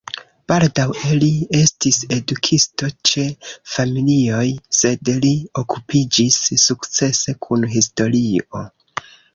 Baldaŭe li estis edukisto ĉe familioj, sed li okupiĝis sukcese kun historio.